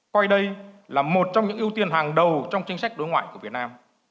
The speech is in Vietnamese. coi đây là một trong những ưu tiên hàng đầu trong chính sách đối ngoại của việt nam